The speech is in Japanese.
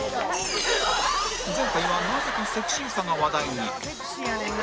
前回はなぜかセクシーさが話題に